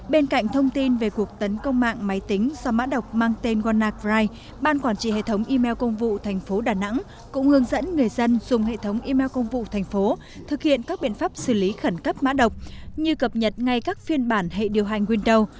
bên cạnh thông tin về cuộc tấn công mạng máy tính do mã độc mang tên gonacride ban quản trị hệ thống email công vụ tp đà nẵng cũng hướng dẫn người dân dùng hệ thống email công vụ thành phố thực hiện các biện pháp xử lý khẩn cấp mã độc như cập nhật ngay các phiên bản hệ điều hành window